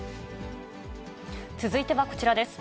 続いてはこちらです。